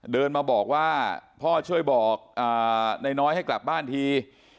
เดินมาบอกว่าพ่อช่วยบอกนายน้อยให้กลับบ้านที